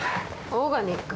オーガニック？